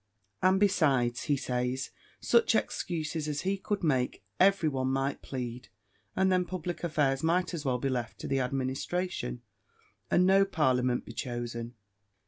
And besides, he says, such excuses as he could make, every one might plead; and then public affairs might as well be left to the administration, and no parliament be chosen.